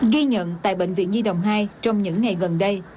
ghi nhận tại bệnh viện nhi đồng hai trong những ngày gần đây